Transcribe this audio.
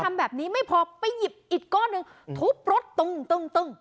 ทำแบบนี้ไม่พอไปหยิบอีกก้อนหนึ่งทุบรถตึ้งตึ้ง